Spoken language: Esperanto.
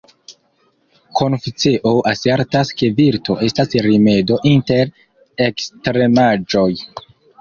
Konfuceo asertas ke virto estas rimedo inter ekstremaĵoj.